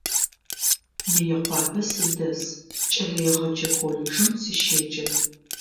Мыекъуапэ сыдэс, кӏэлэегъэджэ колледжым сыщеджэ.